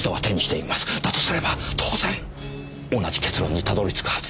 だとすれば当然同じ結論にたどり着くはずです。